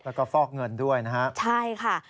แล้วก็ฟอกเงินด้วยนะฮะใช่ค่ะ